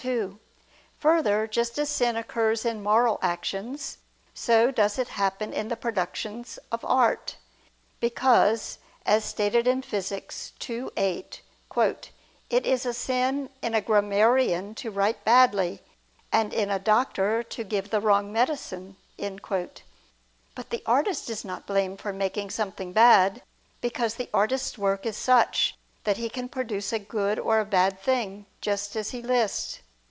2: Further, just as sin occurs in moral actions, so does it happen in the productions of art: because as stated in Phys. ii, 8 "it is a sin in a grammarian to write badly, and in a doctor to give the wrong medicine." But the artist is not blamed for making something bad: because the artist's work is such, that he can produce a good or a bad thing, just as he lists.